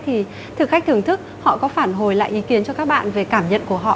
thì thực khách thưởng thức họ có phản hồi lại ý kiến cho các bạn về cảm nhận của họ